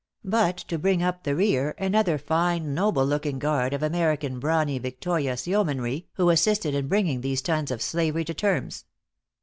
But to bring up the rear, another fine, noble looking guard of American brawny victorious yeomanry, who assisted in bringing these sons of slavery to terms.